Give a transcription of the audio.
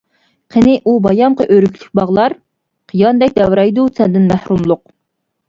قېنى ئۇ بايامقى ئۆرۈكلۈك باغلار؟ قىياندەك دەۋرەيدۇ سەندىن مەھرۇملۇق.